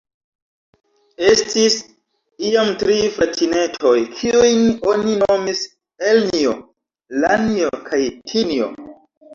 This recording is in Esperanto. Estis iam tri fratinetoj, kiujn oni nomis Elnjo, Lanjo, kaj Tinjo.